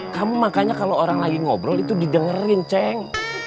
kamu makanya kalau orang lagi ngobrol itu didengerin ceng